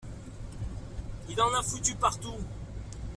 Il en a foutu partout.